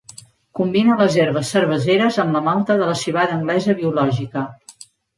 Combina les herbes cerveseres amb la malta de la civada anglesa biològica.